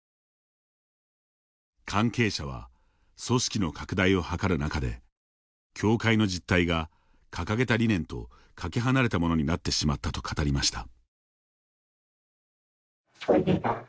関係者は、組織の拡大を図る中で教会の実態が掲げた理念とかけ離れたものになってしまったと語りました。